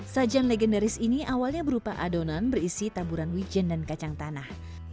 sajian legendaris ini awalnya berupa adonan berisi taburan wijen dan kacang tanah